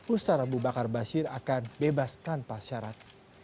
ustadz abu bakar basir akan bebas tanpa syarat